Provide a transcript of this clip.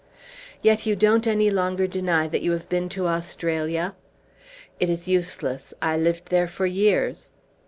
"Yet you don't any longer deny that you have been to Australia?" "It is useless. I lived there for years."